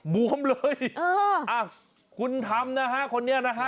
บวมเลยคุณธรรมนะฮะคนนี้นะฮะ